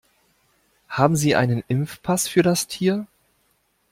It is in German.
Haben Sie einen Impfpass für das Tier?